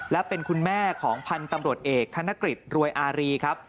และเป็นคุณแม่ของพันธุ์ตำรวจเอกธนกฤษรวยอารีครับ